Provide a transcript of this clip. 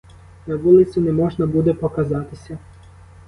На вулицю не можна буде показатися.